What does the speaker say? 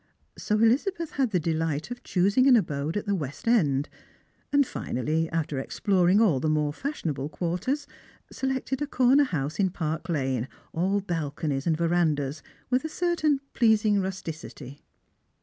So Elizabeth had the delight of choosing an abode at the West end, and finally, after exploring all the more fashionable quarters, selected a corner house in Park lane, aU balconies and verandahs, with a certain pleasing rusticity.